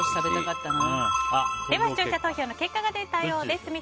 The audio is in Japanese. では、視聴者投票の結果が出たようです。